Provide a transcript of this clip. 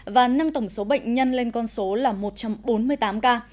và nâng tổng số bệnh nhân lên con số là một trăm bốn mươi tám ca